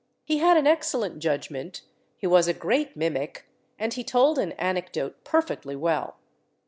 He had an excellent judgment, he was a great mimic, and he told an anecdote perfectly well.